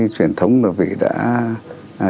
truyền thống mà vị đã